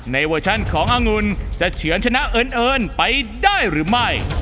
เวอร์ชันขององุ่นจะเฉือนชนะเอิญไปได้หรือไม่